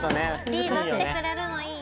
リードしてくれるのいい。